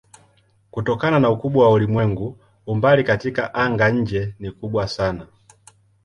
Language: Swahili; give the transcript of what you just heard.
Kutokana na ukubwa wa ulimwengu umbali katika anga-nje ni kubwa sana.